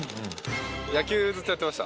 野球ずっとやってました。